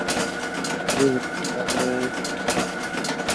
La sede del condado es Pawnee.